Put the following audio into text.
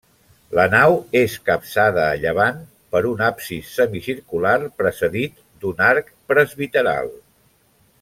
La nau és capçada a llevant per un absis semicircular precedit d'un arc presbiteral.